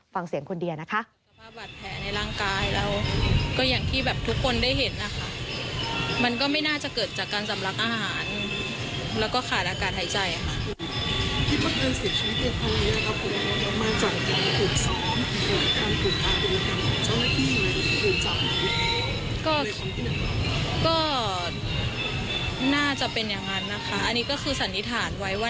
ฟังเสียงคนเดียวนะคะ